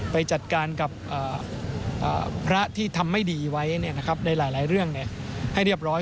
ไปจัดการกับพระที่ทำไม่ดีไว้ในหลายเรื่องให้เรียบร้อย